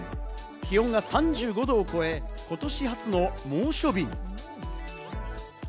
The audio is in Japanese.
気温が３５度を超え、今年初の猛暑日に。